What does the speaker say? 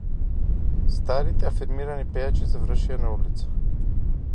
Старите афирмирани пејачи завршија на улица